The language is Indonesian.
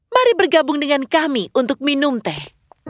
mari bergabung dengan kami untuk minum teh